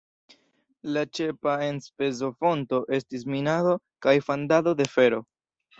La ĉefa enspezofonto estis minado kaj fandado de fero.